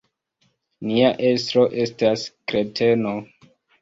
Nia estro estas kreteno.